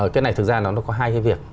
cái này thực ra nó có hai cái việc